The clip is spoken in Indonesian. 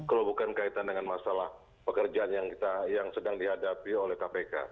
kalau bukan kaitan dengan masalah pekerjaan yang sedang dihadapi oleh kpk